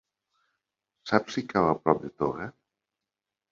Saps si cau a prop de Toga?